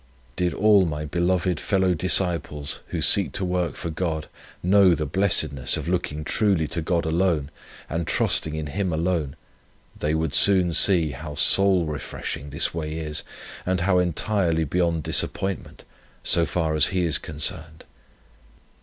Did all my beloved fellow disciples, who seek to work for God know the blessedness of looking truly to God alone, and trusting in Him alone, they would soon see how soul refreshing this way is, and how entirely beyond disappointment, so far as He is concerned.